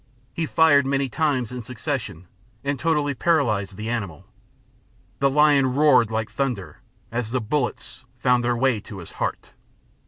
He fired many times in succession and totally paralysed the animal. The lion roared like thunder as the bullets found their way to his heart.